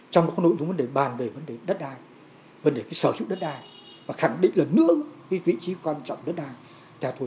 trong các nội dung vấn đề bàn về vấn đề đất đai vấn đề sở hữu đất đai